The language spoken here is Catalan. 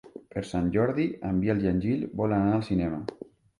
Per Sant Jordi en Biel i en Gil volen anar al cinema.